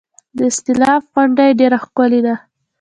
د استالف غونډۍ ډیره ښکلې ده